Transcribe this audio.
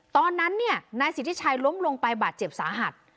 ตอนนั้นเนี่ยนายสิทธิชัยล้มลงไปบาดเจ็บสาหัส